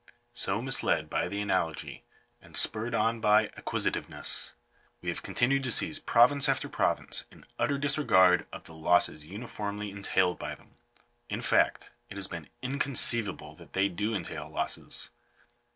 So, misled by the analogy, and spurred on by acquisitiveness, we have continued to seize pro vince after province, in utter disregard of the losses uniformly entailed by them. In fact, it has been inconceivable that they do entail losses.